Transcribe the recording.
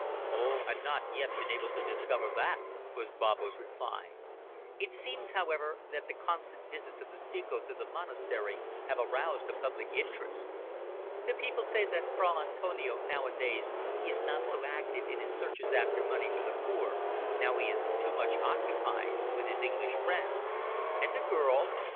"Oh! I've not yet been able to discover that," was Babbo's reply. "It seems, however, that the constant visits of the Ceco to the monastery have aroused the public interest. The people say that Fra Antonio nowadays is not so active in his searches after money for the poor now he is too much occupied with his English friend." "And the girl?"